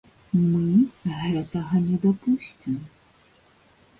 Мы гэтага не дапусцім!